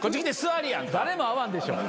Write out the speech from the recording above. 誰も合わんでしょ。